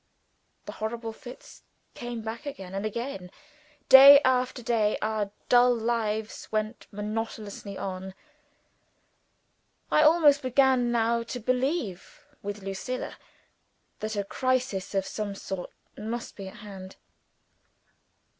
The horrible fits came back, again and again. Day after day, our dull lives went monotonously on. I almost began now to believe, with Lucilla, that a crisis of some sort must be at hand.